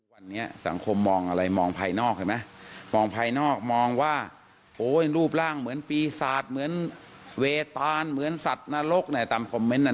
วันนี้สังคมมองอะไรมองภายนอกเห็นไหมมองภายนอกมองว่าโอ้ยรูปร่างเหมือนปีศาจเหมือนเวตานเหมือนสัตว์นรกในตามคอมเมนต์นั้น